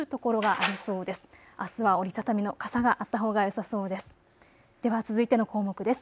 あすは折り畳みの傘があったほうがよさそうです。